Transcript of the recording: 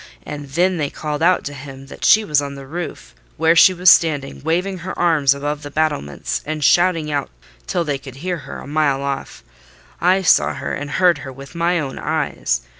And then they called out to him that she was on the roof, where she was standing, waving her arms, above the battlements, and shouting out till they could hear her a mile off: I saw her and heard her with my own eyes.